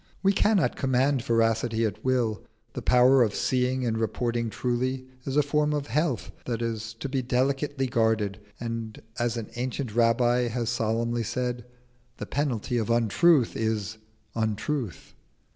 We cannot command veracity at will: the power of seeing and reporting truly is a form of health that has to be delicately guarded, and as an ancient Rabbi has solemnly said, "The penalty of untruth is untruth."